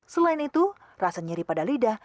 selain itu rasa nyeri pada lidah